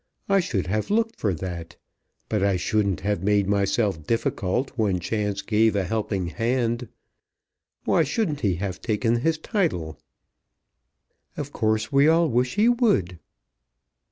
I should have looked for that. But I shouldn't have made myself difficult when chance gave a helping hand. Why shouldn't he have taken his title?" "Of course we all wish he would."